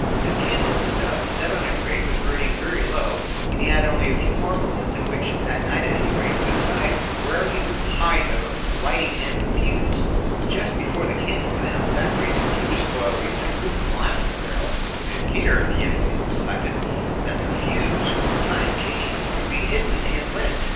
His candle stub, set on a crate, was burning very low and he had only a few more moments in which that night at any rate to decide where he would hide the lighting end of the fuse. Just before the candle went out, Zachary's fuse coil reached a group of molasses barrels, and here the young man decided that the fuse, when the time came, would be hidden and lit.